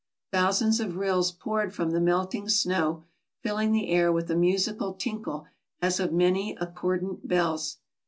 Thousands of rills poured from the melting snow, filling the air with a musical tinkle as of many accordant bells.